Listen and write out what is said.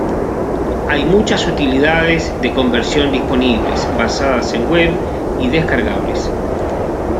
Hay muchas utilidades de conversión disponibles, basadas en web y descargables.